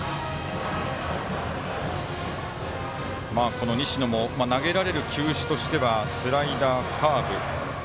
この西野も投げられる球種としてはスライダー、カーブ